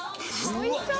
おいしそう！